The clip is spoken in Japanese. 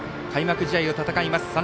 開幕試合を戦います。